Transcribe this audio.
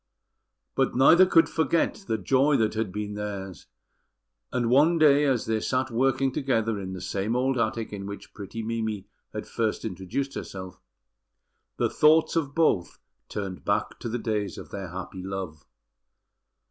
But neither could forget the joy that had been theirs; and one day as they sat working together in the same old attic in which pretty Mimi had first introduced herself, the thoughts of both turned back to the days of their happy love.